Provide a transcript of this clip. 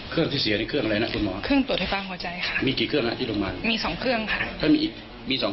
เครื่องที่เสียในเครื่องอะไรนะคุณหมอ